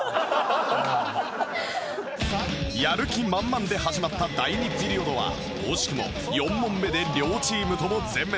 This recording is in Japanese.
やる気満々で始まった第２ピリオドは惜しくも４問目で両チームとも全滅